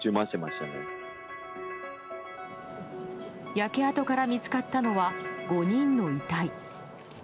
焼け跡から見つかったのは５人の遺体。